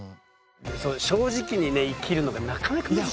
正直にね生きるのがなかなか難しいんっすよね。